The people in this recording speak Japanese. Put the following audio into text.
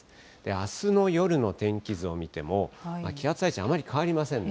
あすの夜の天気図を見ても、気圧配置はあまり変わりませんね。